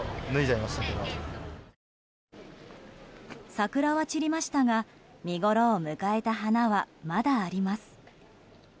桜は散りましたが見ごろを迎えた花はまだあります。